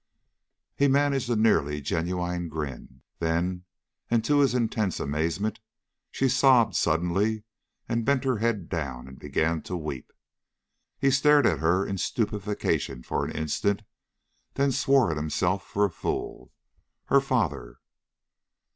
He managed a nearly genuine grin, then, and to his intense amazement, she sobbed suddenly and bent her head down and began to weep. He stared at her in stupefaction for an instant, then swore at himself for a fool. Her father....